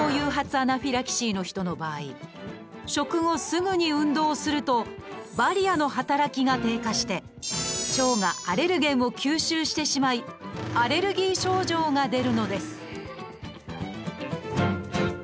アナフィラキシーの人の場合食後すぐに運動をするとバリアーの働きが低下して腸がアレルゲンを吸収してしまいアレルギー症状が出るのです。